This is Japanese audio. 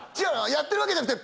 やってるわけじゃなくて。